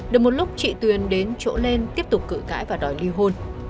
được một lúc chị tuyền đến chỗ lên tiếp tục cự cãi và đòi ly hôn